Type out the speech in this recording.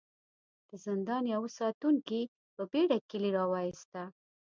د زندان يوه ساتونکي په بېړه کيلې را وايسته.